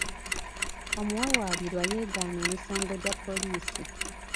Omuwawaabirwa yeegaana emisango gya poliisi.